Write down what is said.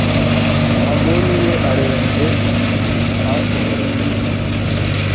Amadeni ye arenze ayo ashobora kwishyura.